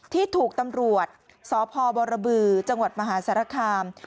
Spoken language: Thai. ที่ถูกตำรวจสพบรบือจังหวัดมหาสารคาม